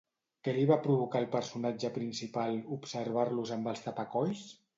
Què li va provocar al personatge principal observar-los amb els tapacolls?